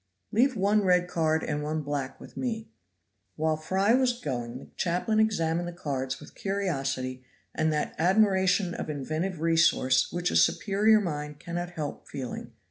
"Leave one red card and one black with me." While Fry was gong the chaplain examined the cards with curiosity and that admiration of inventive resource which a superior mind cannot help feeling.